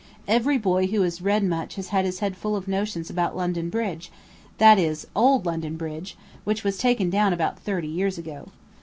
Every boy who has read much has had his head full of notions about London Bridge; that is, old London Bridge, which was taken down about thirty years ago.